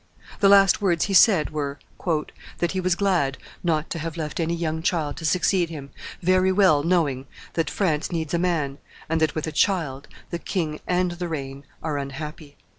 The last words he said were, "that he was glad not to have left any young child to succeed him, very well knowing that France needs a man, and that, with a child, the king and the reign are unhappy."